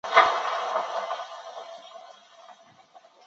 因此成绩较好便拥有主场优势。